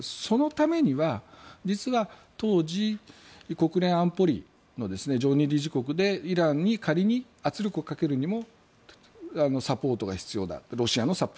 そのためには実は当時、国連安保理の常任理事国でイランに仮に圧力をかけるにもロシアのサポートが必要です。